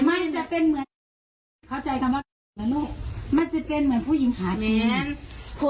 มันจะเป็นเหมือนเข้าใจคำว่ามันจะเป็นเหมือนผู้หญิงหาที